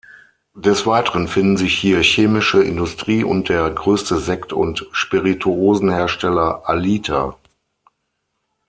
Des Weiteren finden sich hier chemische Industrie und der größte Sekt- und Spirituosenhersteller "Alita".